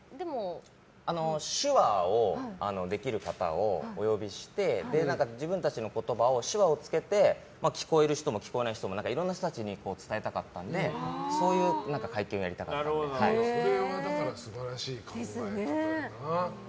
手話をできる方をお呼びして自分たちの言葉を手話をつけて聞こえる人も聞こえない人もいろんな人たちに伝えたかったのでそれは素晴らしい考え方だな。